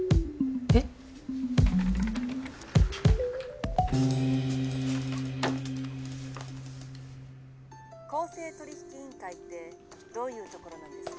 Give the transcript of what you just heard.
えっ？公正取引委員会ってどういうところなんですか？